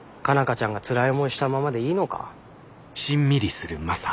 花ちゃんがつらい思いしたままでいいのか？